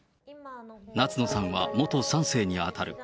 夏野さんは、元３世に当たる。